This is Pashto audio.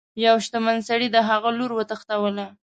یوه شتمن سړي د هغه لور وتښتوله.